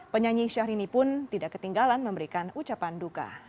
penyanyi syahrini pun tidak ketinggalan memberikan ucapan duka